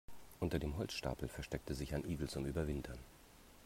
Unter dem Holzstapel versteckte sich ein Igel zum Überwintern.